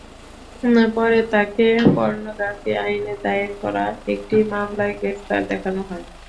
পরে তাঁকে পর্নোগ্রাফি আইনে দায়ের করা একটি মামলায় গ্রেপ্তার দেখানো হয়।